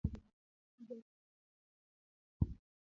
Kijasiri nowang'.